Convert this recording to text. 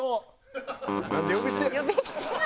なんで呼び捨てやねん。